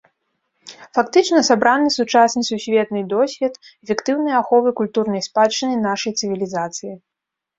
Фактычна сабраны сучасны сусветны досвед эфектыўнай аховы культурнай спадчыны нашай цывілізацыі.